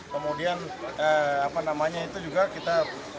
kemudian apa namanya itu juga kita